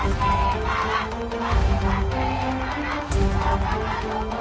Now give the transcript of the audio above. mereka pasti salah pasti pasti salah